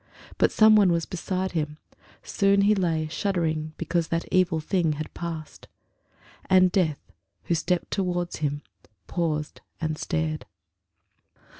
But some one was beside him; soon he lay Shuddering because that evil thing had passed. And Death, who'd stepped toward him, paused and stared.